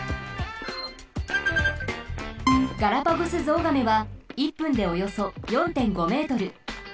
ガラパゴスゾウガメは１分でおよそ４．５ｍ。